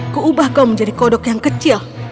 keubah kau menjadi kodok yang kecil